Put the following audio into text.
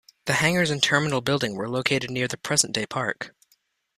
The hangars and terminal building were located near the present day park.